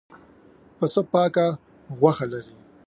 پسه پاکه غوښه لري.